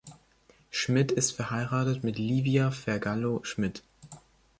Schmid ist verheiratet mit Livia Vergallo-Schmid.